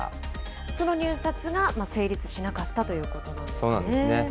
その入札が成立しなかったとそうなんですね。